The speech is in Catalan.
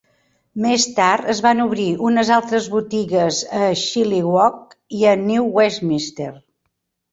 Més tard, es van obrir unes altres botigues a Chilliwack i a New Westminster.